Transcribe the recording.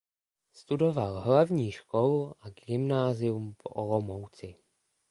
Studoval hlavní školu a gymnázium v Olomouci.